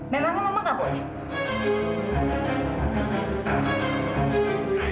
memangnya mama nggak boleh